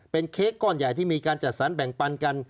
เป็นเค้กก้อนใหญ่ที่มีการจัดสรรแบ่งปันกัน